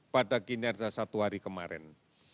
pada kinerja satu hari kemarin